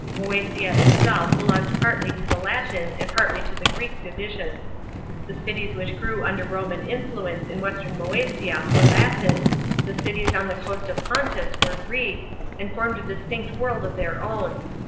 Moesia itself belonged partly to the Latin, and partly to the Greek division. The cities which grew under Roman influence in western Mcesia were Latin ; the cities on the coast of the Pontus were Greek, and formed a distinct world of then* own.